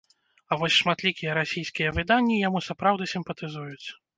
А вось шматлікія расійскія выданні яму сапраўды сімпатызуюць.